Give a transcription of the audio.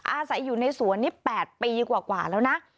อาศัยอยู่ในสวนนี้๘ปีกว่าแล้วนะ